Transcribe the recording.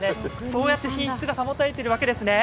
そうやって品質が保たれているわけですね。